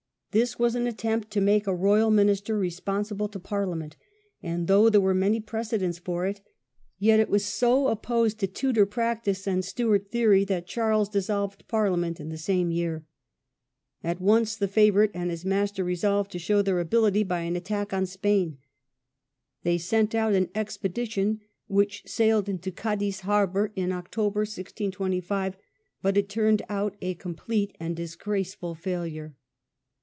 This was an attempt to make a royal minister responsible to Parlia ment, and though there were many precedents for it, yet it was so opposed to Tudor practice and Stewart theory that Charles dissolved Parliament in the same year. At once the favourite and his master resolved to show their ability by an attack on Spain. They sent out an expedi tion, which sailed into Cadiz harbour in October, 1625, but it turned out a complete and disgraceful failure.